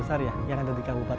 kenapa di sini pak